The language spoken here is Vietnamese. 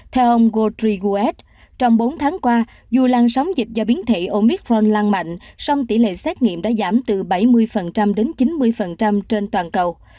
theo ông godriguez trong bốn tháng qua dù làn sóng dịch do biến thể omicron lan mạnh song tỉ lệ xét nghiệm đã giảm từ bảy mươi đến chín mươi trên toàn cầu